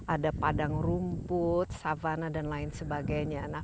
ada padang rumput savana dan lain sebagainya